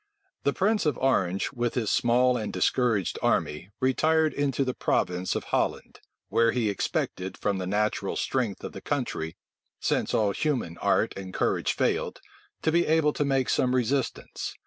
The prince of Orange, with his small and discouraged army, retired into the province of Holland; where he expected, from the natural strength of the country, since all human art and courage failed, to be able to make some resistance.